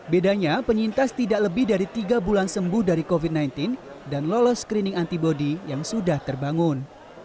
bedanya penyintas tidak lebih dari tiga bulan sembuh dari covid sembilan belas dan lolos screening antibody yang sudah terbangun